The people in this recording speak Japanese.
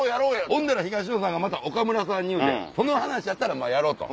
ほんだら東野さんがまた岡村さんに言うてその話やったらやろうと。